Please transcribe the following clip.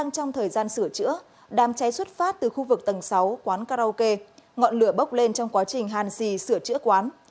trong thời gian sửa chữa đàm cháy xuất phát từ khu vực tầng sáu quán karaoke ngọn lửa bốc lên trong quá trình hàn xì sửa chữa quán